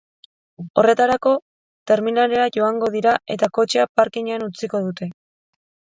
Horretarako, terminalera joango dira eta kotxea parkingean utziko dute.